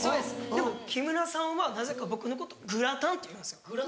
でも木村さんはなぜか僕のこと「グラタン」って言うんですよ。